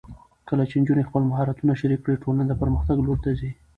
کله چې نجونې خپل مهارتونه شریک کړي، ټولنه د پرمختګ لور ته ځي.